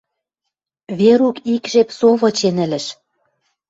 Верук ик жеп со вычен ӹлӹш.